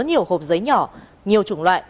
nhiều hộp giấy nhỏ nhiều chủng loại